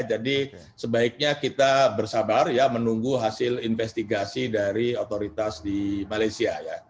jadi sebaiknya kita bersabar menunggu hasil investigasi dari otoritas di malaysia